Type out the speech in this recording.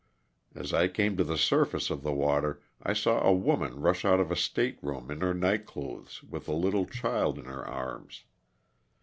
As I came to the surface of the water I saw a woman rush out of a state room in her night clothes with a little child in her arms.